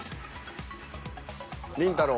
りんたろー。。